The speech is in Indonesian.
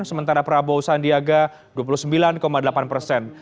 sementara prabowo sandiaga dua puluh sembilan delapan persen